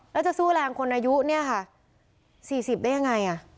แล้วจะสู้แรงคนอายุเนี่ยค่ะสี่สิบได้ยังไงอ่ะ